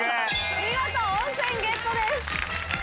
見事温泉ゲットです。